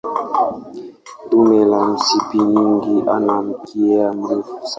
Dume la spishi nyingi ana mkia mrefu sana.